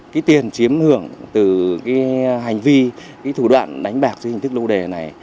cái tiền chiếm hưởng từ cái hành vi cái thủ đoạn đánh bạc dưới hình thức lô đề này